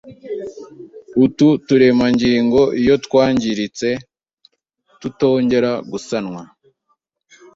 utu turemangingo iyo twangiritse tutongera gusanwa.